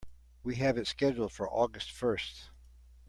We have it scheduled for August first.